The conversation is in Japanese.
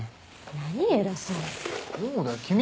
何偉そうに。